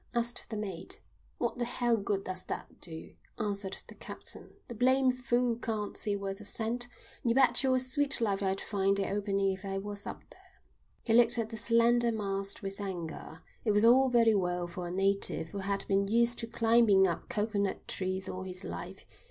asked the mate. "What the hell good does that do?" answered the captain. "The blame fool can't see worth a cent. You bet your sweet life I'd find the opening if I was up there." He looked at the slender mast with anger. It was all very well for a native who had been used to climbing up coconut trees all his life.